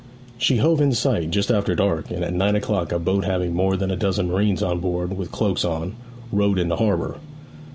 'She hove in sight just after dark, and at nine o'clock a boat having more than a dozen marines on board, with cloaks on, rowed into harbour.'